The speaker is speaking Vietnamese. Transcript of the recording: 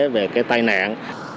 về cái tai nạn